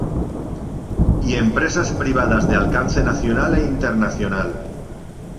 Y empresas privadas de alcance nacional e internacional.